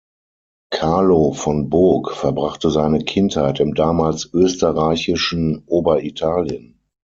Carlo von Boog verbrachte seine Kindheit im damals österreichischen Oberitalien.